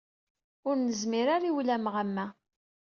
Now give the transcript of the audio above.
Ur nezmir ara i ulameɣ am wa.